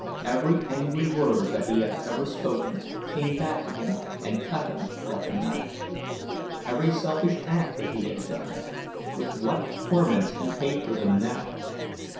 Every angry word that he had ever spoken came back to him and cut him like a knife; every selfish act that he had done—with what torments he paid for them now!